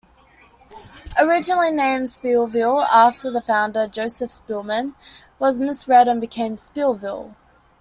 Originally named Spielville after the founder, Joseph Spielman, it was misread and became Spillville.